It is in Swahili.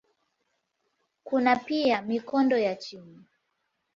Kuna pia mikondo ya chini.